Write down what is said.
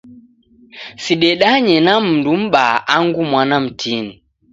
Sidedanye na mndu m'baa angu mwana mtini.